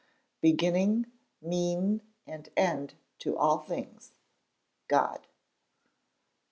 [...BEGINNING, MEAN AND END TO ALL THINGS GOD.